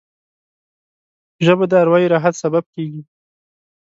ژبه د اروايي راحت سبب کېږي